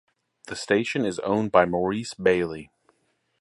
The station is owned by Maurice Bailey.